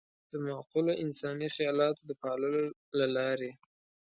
د معقولو انساني خيالاتو د پاللو له لارې.